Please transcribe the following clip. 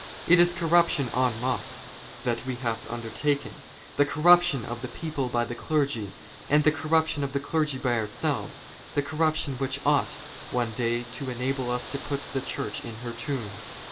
" It is corruption en masse that we have undertaken; the " corruption of the people by the clergy, and the corruption of " the clergy by ourselves : the corruption which ought, one day, " to enable us to put the Church in her tomb.